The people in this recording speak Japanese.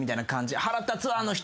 腹立つわあの人。